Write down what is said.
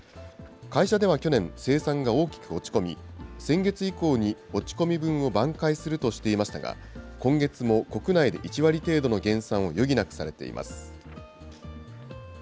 会社では去年、生産が大きく落ち込み、先月以降に落ち込み分を挽回するとしていましたが、今月も国内で１割程度の減産を余儀なくされています。